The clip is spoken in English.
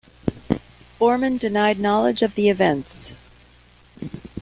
Bormann denied knowledge of the events.